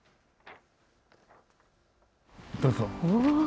どうぞ。